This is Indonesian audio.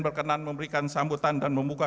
berkenan memberikan sambutan dan membuka